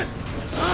ああ！